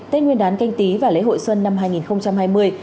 tết nguyên đán canh tí và lễ hội xuân năm hai nghìn hai mươi